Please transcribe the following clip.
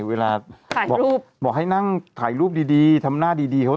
เวลาบอกให้นั่งถ่ายรูปดีทำหน้าดีดีเขา